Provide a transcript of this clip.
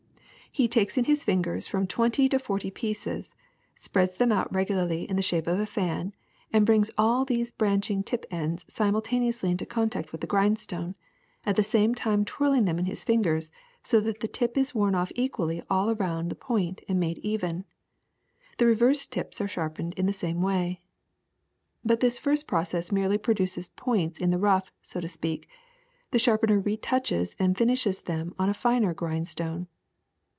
He takes in his fingers from twenty to forty pieces, spreads them out regularly in the shape of a fan, and brings all these branching tip ends simultaneously into contact with the grindstone, at the same time twirling them in his fingers so that the tip is worn off equally all around and the point made even. The reverse tips are sharpened in the same way. ^'But this first process merely produces points in the rough, so to speak ; the sharpener retouches and finishes them on a finer grindstone.